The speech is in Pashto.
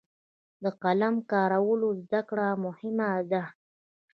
د قلم کارولو زده کړه مهمه ده.